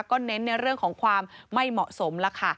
ก็เน้นในเรื่องของความไม่เหมาะสมแล้วค่ะ